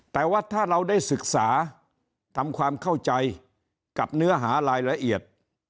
แต่ว่าถ้าเราได้ศึกษาทำความเข้าใจกับเนื้อหารายละเอียด